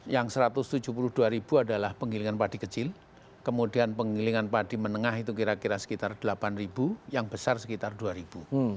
yang satu ratus tujuh puluh dua ribu adalah penggilingan padi kecil kemudian penggilingan padi menengah itu kira kira sekitar delapan ribu yang besar sekitar dua ribu